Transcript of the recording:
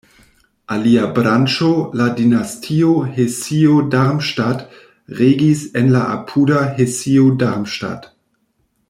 Alia branĉo, la dinastio Hesio-Darmstadt regis en la apuda Hesio-Darmstadt.